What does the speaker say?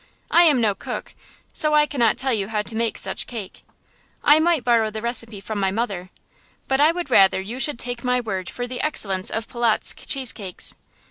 I am no cook, so I cannot tell you how to make such cake. I might borrow the recipe from my mother, but I would rather you should take my word for the excellence of Polotzk cheese cakes.